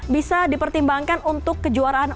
bisa dipertimbangkan untuk kejuaraan